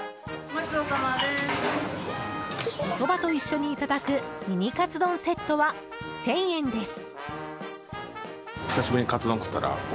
おそばと一緒にいただくミニカツ丼セットは１０００円です。